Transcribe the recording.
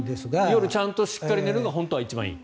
夜ちゃんとしっかり寝るのが本当は一番いい。